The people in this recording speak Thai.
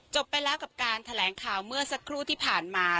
ไปแล้วกับการแถลงข่าวเมื่อสักครู่ที่ผ่านมา